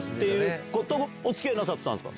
お付き合いなさってたんですか？